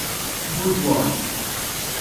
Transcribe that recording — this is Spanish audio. Food Wars!